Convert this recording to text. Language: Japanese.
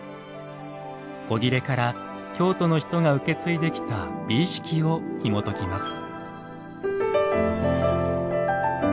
古裂から京都の人が受け継いできた美意識をひもときます。